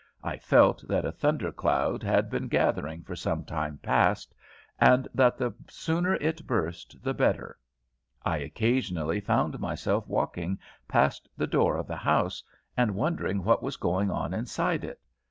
I felt that a thunder cloud had been gathering for some time past, and that the sooner it burst the better. I occasionally found myself walking past the door of the house, and wondering what was going on inside it.